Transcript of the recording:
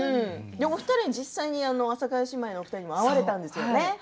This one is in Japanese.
お二人は実際に阿佐ヶ谷姉妹のお二人にも会われたんですよね？